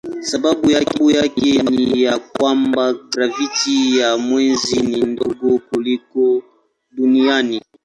Sababu yake ni ya kwamba graviti ya mwezi ni ndogo kuliko duniani.